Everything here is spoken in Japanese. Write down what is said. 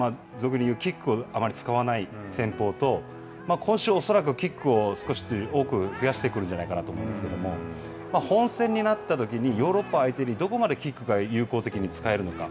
俗に言うキックをあまり使わない戦法と、今週は恐らくキックを少し多く増やしてくるんじゃないかなと思うんですけれども、本戦になったときに、ヨーロッパ相手にどこまでキックが有効的に使えるのか。